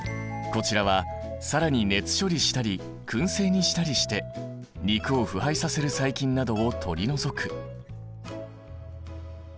こちらは更に熱処理したりくん製にしたりして肉を腐敗させる細菌などを取り除く。